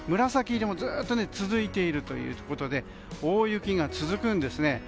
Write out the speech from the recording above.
紫色がずっと続いているということで大雪が続くんですね。